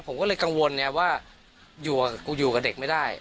ผมก็เลยกังวลเนี่ยว่าอยู่กับกูอยู่กับเด็กไม่ได้